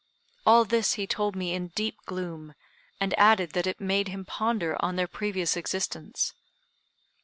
All this he told me in deep gloom, and added that it made him ponder on their previous existence."